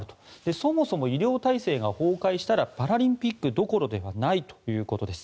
そもそも医療体制が崩壊したらパラリンピックどころではないということです。